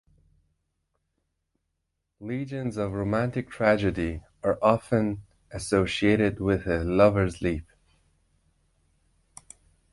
Legends of romantic tragedy are often associated with a Lovers' Leap.